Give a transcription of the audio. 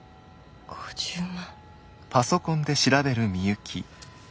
５０万。